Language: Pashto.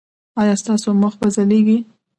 ایا ستاسو مخ به ځلیږي؟